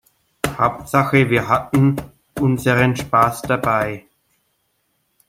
Hauptsache wir hatten unseren Spaß dabei.